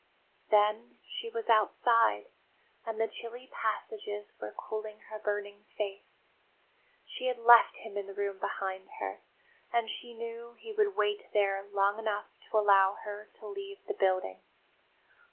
Then she was outside, and the chilly passages were cooling her burning face. She had left him in the room behind her; and she knew he would wait there long enough to allow her to leave the building.